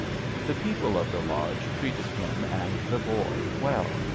The people of the lodge treated him and the boy well.